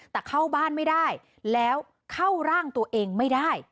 แต่เข้าบ้านไม่ได้แล้วเข้าร่างตัวเองไม่ได้